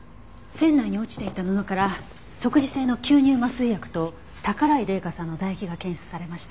船内に落ちていた布から即時性の吸入麻酔薬と宝居麗華さんの唾液が検出されました。